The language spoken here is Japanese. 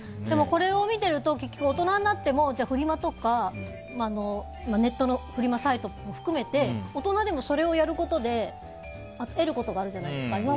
でも、これを見てると結局大人になってもフリマとかネットのフリマサイトも含めて大人でもそれをやることで得ることがあるじゃないですか。